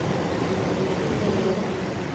ninajifunza leo